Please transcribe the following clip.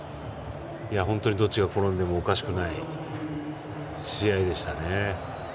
本当にどっちに転んでもおかしくない試合でしたね。